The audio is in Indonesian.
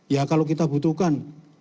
ya kalau kita butuhkan